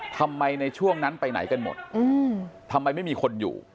ทำไมในช่วงนั้นไปไหนกันหมดทำไมไม่มีคนอยู่